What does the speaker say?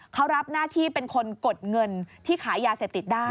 เขารับหน้าที่เป็นคนกดเงินที่ขายยาเสพติดได้